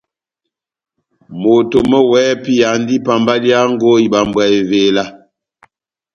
Moto mɔ́ wɛ́hɛ́pi andi pambaliyango ibambwa evela.